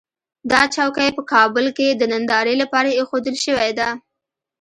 دا چوکۍ په کابل کې د نندارې لپاره اېښودل شوې ده.